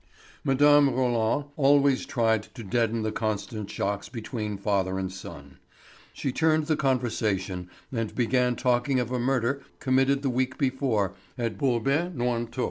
Mme. Roland always tried to deaden the constant shocks between father and son; she turned the conversation, and began talking of a murder committed the week before at Bolbec Nointot.